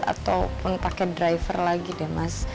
ataupun pakai driver lagi deh mas